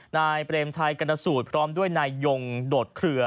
นายเปรมชัยกรณสูตรพร้อมด้วยนายยงโดดเคลือ